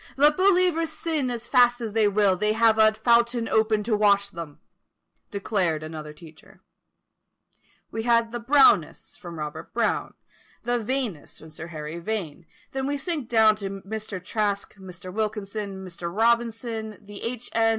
"Let believers sin as fast as they will, they have a fountain open to wash them;" declared another teacher. We had the Brownists, from Robert Brown, the Vaneists, from Sir Harry Vane, then we sink down to Mr. Traske, Mr. Wilkinson, Mr. Robinson, and H. N.